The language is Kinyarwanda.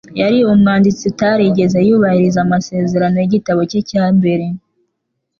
Yari umwanditsi utarigeze yubahiriza amasezerano yigitabo cye cya mbere